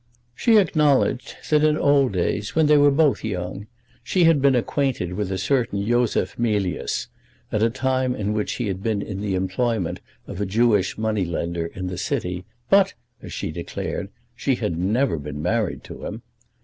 She acknowledged that in old days, when they were both young, she had been acquainted with a certain Yosef Mealyus, at a time in which he had been in the employment of a Jewish moneylender in the city; but, as she declared, she had never been married to him.